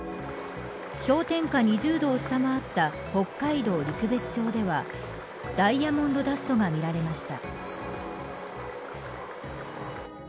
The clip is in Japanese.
氷点下２０度を下回った北海道陸別町ではダイヤモンドダストが見られました。